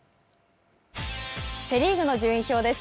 セ・リーグの順位表です。